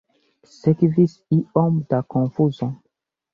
Sekvis iom da konfuzo.